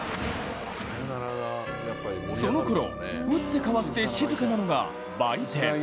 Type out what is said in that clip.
そのころ、打って変わって静かなのが売店。